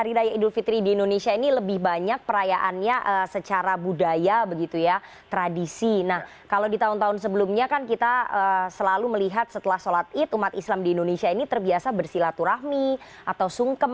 intelektual ulama harus memberikan